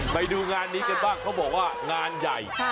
ไปดูงานนี้กันบ้างเขาบอกว่างานใหญ่